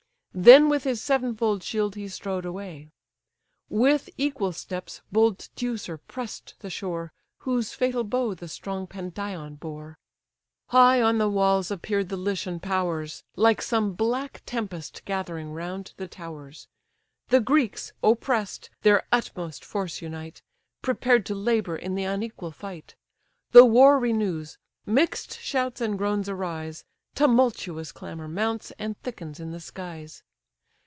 Then with his sevenfold shield he strode away." With equal steps bold Teucer press'd the shore, Whose fatal bow the strong Pandion bore. High on the walls appear'd the Lycian powers, Like some black tempest gathering round the towers: The Greeks, oppress'd, their utmost force unite, Prepared to labour in the unequal fight: The war renews, mix'd shouts and groans arise; Tumultuous clamour mounts, and thickens in the skies.